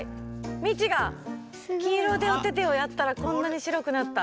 ミチがきいろでお手手をやったらこんなにしろくなった。